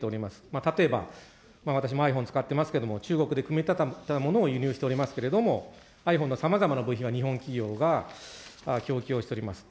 例えば私もｉＰｈｏｎｅ使ってますけれども、中国で組み立てたものを輸入しておりますけれども、ｉＰｈｏｎｅのさまざまな部品は日本企業が供給をしております。